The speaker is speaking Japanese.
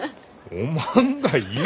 おまんが言うな！